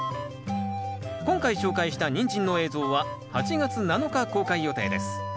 今回紹介したニンジンの映像は８月７日公開予定です。